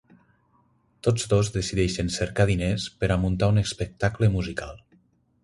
Tots dos decideixen cercar diners per a muntar un espectacle musical.